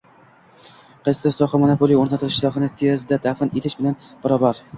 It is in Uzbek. Qaysidir sohada monopoliya o‘rnatilishi sohani tezda dafn etish bilan barobar